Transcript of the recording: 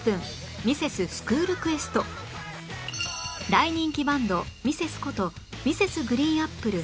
大人気バンド「ミセス」こと Ｍｒｓ．ＧＲＥＥＮＡＰＰＬＥ